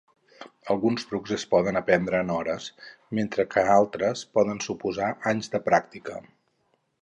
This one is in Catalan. Alguns trucs es poden aprendre en hores, mentre que altres poden suposar anys de pràctica.